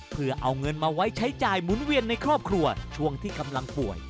เพื่อเอาเงินมาไว้ใช้จ่ายหมุนเวียนในครอบครัวช่วงที่กำลังป่วย